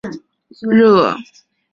弗龙蒂尼昂德科曼热。